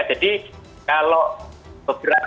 jadi kalau beberapa